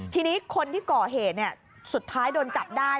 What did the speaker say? ทีนี้คนที่ก่อเหตุสุดท้ายโดนจับได้